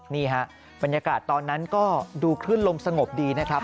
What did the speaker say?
นี่ฮะบรรยากาศตอนนั้นก็ดูคลื่นลมสงบดีนะครับ